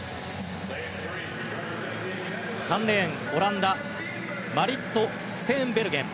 ３レーン、オランダマリット・ステーンベルゲン。